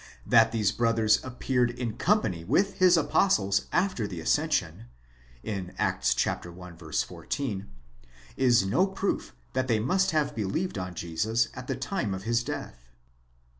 That these brothers appeared in company with his apostles after the ascension (Acts i. 14) is no proof that they must have believed on Jesus at the time of his death.